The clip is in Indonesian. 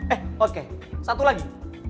eh oke satu lagi